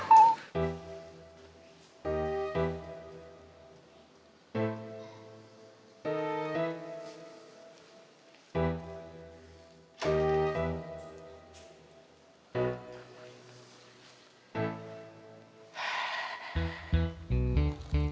lagi lagi siapa juga yang marah sama kita kita kan